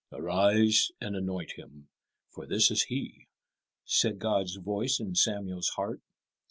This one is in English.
"Arise and anoint him, for this is he," said God's voice in Samuel's heart.